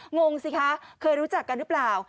งงสิคะเคยรู้จักกันหรือเปล่า